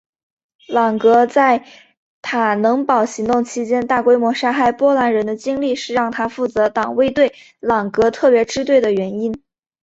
朗格在坦能堡行动期间大规模杀害波兰人的经历是让他负责党卫队朗格特别支队的原因。